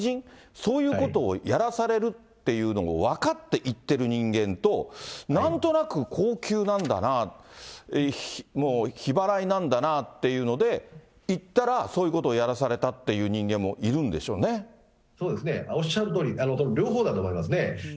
そういうことをやらされるっていうのが分かって行ってる人間と、なんとなく高給なんだなぁ、もう日払いなんだなっていうので、行ったらそういうことをやらされたっていう人間もいるんでしょうそうですね、おっしゃるとおり、両方だと思いますね。